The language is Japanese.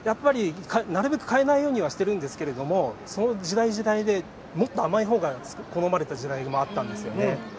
なるべく変えないようにしていますがその時代、時代でもっと甘い方が好まれた時代もあったんですよね。